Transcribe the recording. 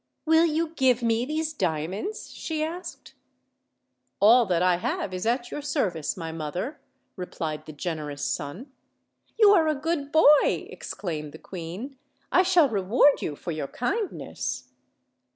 "Will you give me these diamonds?" she asked. "All that I have is at your service, my mother," re plied the generous son. "You are a good boy," exclaimed the queen; "I shall reward yon for your kindness."